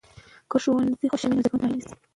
که ښوونځي خوشاله وي، نو زده کوونکي به ناهیلي نه شي.